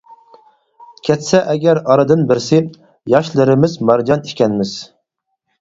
كەتسە ئەگەر ئارىدىن بىرسى، ياشلىرىمىز «مارجان» ئىكەنمىز.